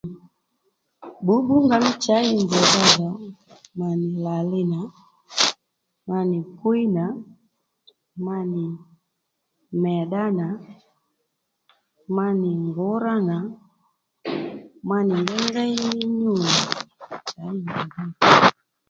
Bbǔbbú nga mí shǎy mbrdha dho ma nì làli nà ma nì kwí nà ma nì mèddá nà ma nì ngǒwra nà ma nì ngéyngéy ní nyû jì ma manì nyǔ nì